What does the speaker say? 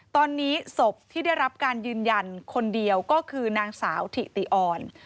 ตอนนี้ศพที่ได้รับการยืนยันคนเดียวก็คือนางสาวถิติอ่อน